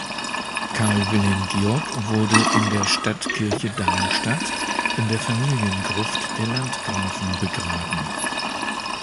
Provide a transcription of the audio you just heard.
Karl Wilhelm Georg wurde in der Stadtkirche Darmstadt in der Familiengruft der Landgrafen begraben.